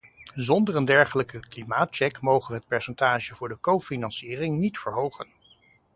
Zonder een dergelijke klimaatcheck mogen we het percentage voor de cofinanciering niet verhogen.